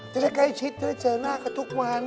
จะได้ใกล้ชิดได้เจอหน้ากันทุกวัน